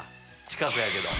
近くやけど。